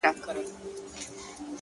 تا ولې د وطن ځمکه لمده کړله په وينو _